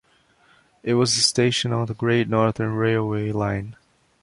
It was a station on the Great Northern Railway line.